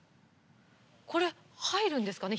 これ入るんですかね？